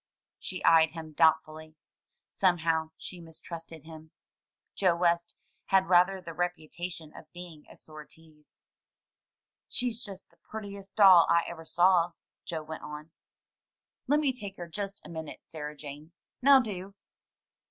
She eyed him doubtfully. Somehow she mistrusted him. Joe West had rather the reputation of being a sore tease. "She's just the prettiest doll I ever saw," Joe went on. "Lemme take her just a minute, Sarah Jane; now do."